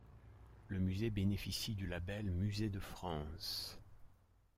Le musée bénéficie du label Musée de France.